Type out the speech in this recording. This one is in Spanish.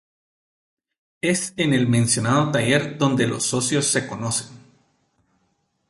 Es en el mencionado taller donde los socios se conocen.